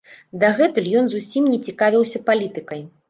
Дагэтуль ён зусім не цікавіўся палітыкай.